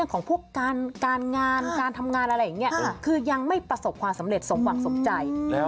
ของพวกการงานการทำงานอะไรอย่างนี้คือยังไม่ประสบความสำเร็จสมหวังสมใจ